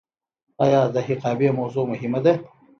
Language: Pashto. آیا د حقابې موضوع مهمه ده؟